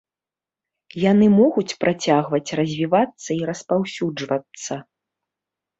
Яны могуць працягваць развівацца і распаўсюджвацца.